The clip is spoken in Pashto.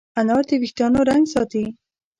انار د وېښتانو رنګ ساتي.